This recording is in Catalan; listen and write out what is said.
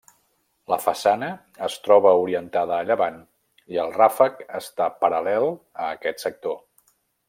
La façana es troba orientada a llevant i el ràfec resta paral·lel a aquest sector.